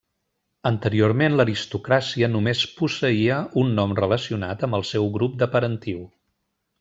Anteriorment l'aristocràcia només posseïa un nom relacionat amb el seu grup de parentiu.